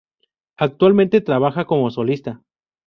Actualmente trabaja como solista.